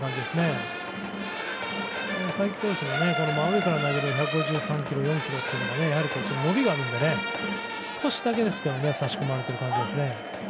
才木投手が真上から投げる１５３キロ、１５４キロは伸びがあるので少しだけ差し込まれている感じですね。